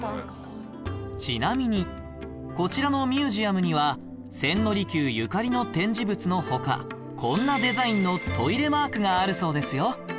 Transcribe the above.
ちなみにこちらのミュージアムには千利休ゆかりの展示物の他こんなデザインのトイレマークがあるそうですよ